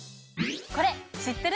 これ知ってる？